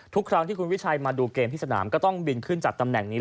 ทุกครั้งที่คุณวิชัยมาดูเกมที่สนามก็ต้องบินขึ้นจากตำแหน่งนี้